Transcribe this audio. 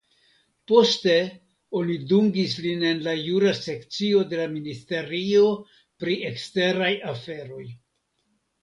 Poste oni dungis lin en la jura sekcio de la ministerio pri eksteraj aferoj.